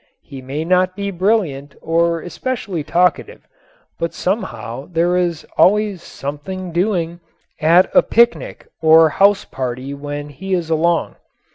He may not be brilliant or especially talkative, but somehow there is always "something doing" at a picnic or house party when he is along.